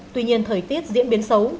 tuy nhiên thời tiết diễn biến xấu